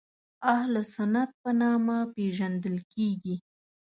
اهل سنت په نامه پېژندل کېږي.